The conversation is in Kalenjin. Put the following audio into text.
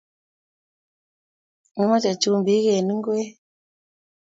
Kimache chumbik en igwek